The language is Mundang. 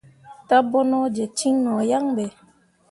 Dabonoje cin no yan be.